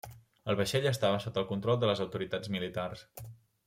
El vaixell estava sota el control de les autoritats militars.